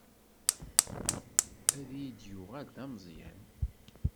Ad iyi-d-yuɣal d ameẓyan.